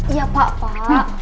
iya pak pak